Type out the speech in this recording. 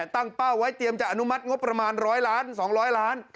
ตั้งเป้าไว้เตรียมจะอนุมัติงบประมาณ๑๐๐ล้าน๒๐๐ล้าน